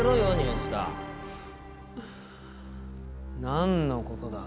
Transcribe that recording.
何のことだ？